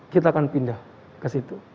kita akan pindah ke situ